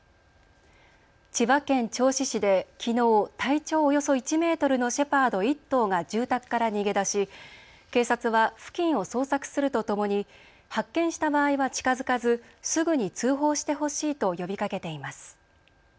千葉県銚子市できのう体長およそ１メートルのシェパード１頭が住宅から逃げ出し警察は付近を捜索するとともに発見した場合は近づかずすぐに通報してほしいと呼びかけています。